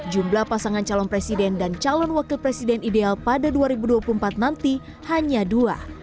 jumlah pasangan calon presiden dan calon wakil presiden ideal pada dua ribu dua puluh empat nanti hanya dua